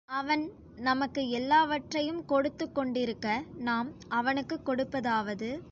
அவன் நமக்கு எல்லாவற்றையும் கொடுத்துக் கொண்டிருக்க, நாம் அவனுக்குக் கொடுப்பதாவது!